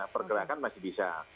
pergerakan masih bisa